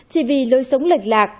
chỉ vì lối sống lệch lạc